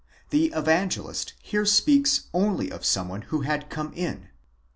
the evangelist here speaks only of some one who had come in.